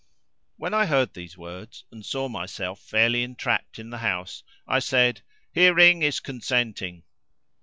When I heard these words and saw myself fairly entrapped in the house, I said, "Hearing is consenting."